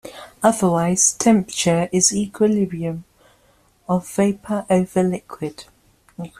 Otherwise temperature is equilibrium of vapor over liquid.